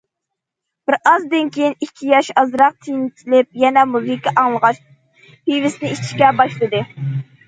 بىر ئازدىن كېيىن ئىككى ياش ئازراق تىنچلىنىپ، يەنە مۇزىكا ئاڭلىغاچ پىۋىسىنى ئىچىشكە باشلىدى.